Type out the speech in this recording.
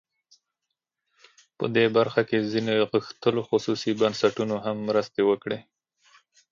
په دې برخه کې ځینو غښتلو خصوصي بنسټونو هم مرستې کړي.